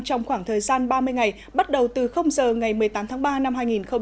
trong khoảng thời gian ba mươi ngày bắt đầu từ giờ ngày một mươi tám tháng ba năm hai nghìn hai mươi